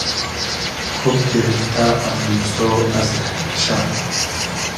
خوب گیریفتۂ از موسۉ از رئگ ریشۂ